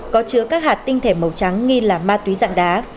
có chứa các hạt tinh thể màu trắng nghi là ma túy dạng đá